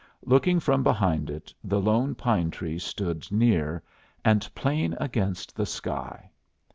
Looking from behind it, the lone pine tree stood near, and plain against the sky.